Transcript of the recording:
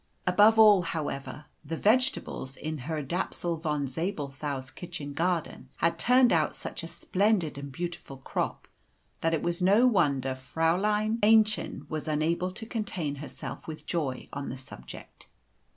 Above all, however, the vegetables in Herr Dapsul von Zabelthau's kitchen garden had turned out such a splendid and beautiful crop that it was no wonder Fräulein Aennchen was unable to contain herself with joy on the subject.